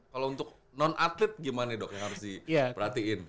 kalau untuk non atlet gimana dok yang harus diperhatiin